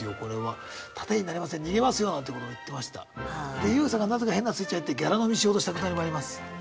でＹＯＵさんがなぜか変なスイッチ入ってギャラ飲みしようとしたくだりもあります。